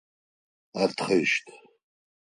Ар тхэщт.